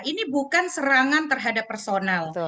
ini bukan serangan terhadap personal